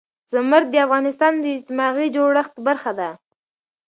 زمرد د افغانستان د اجتماعي جوړښت برخه ده.